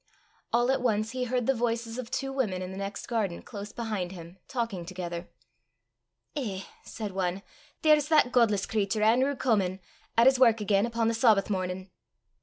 All at once he heard the voices of two women in the next garden, close behind him, talking together. "Eh," said one, "there's that godless cratur, An'rew Comin, at his wark again upo' the Sawbath mornin'!"